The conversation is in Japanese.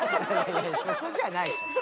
そこじゃないでしょ。